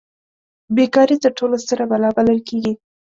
بې کاري تر ټولو ستره بلا بلل کیږي.